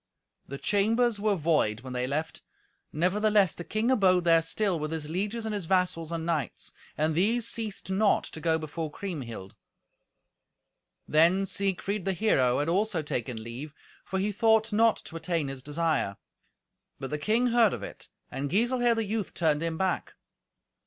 The chambers were void when they left, nevertheless the king abode there still with his lieges and his vassals and knights. And these ceased not to go before Kriemhild. Then Siegfried, the hero, had also taken leave, for he thought not to attain his desire. But the king heard of it, and Giselher the youth turned him back.